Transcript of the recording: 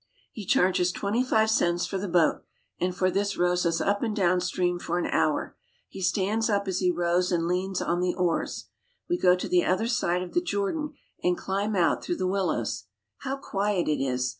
He charges twenty five cents for the boat, and for this rows us up and down stream for an hour. He stands up as he rows and leans on the oars. We go to the other side of the Jordan and climb out through the willows. How quiet it is!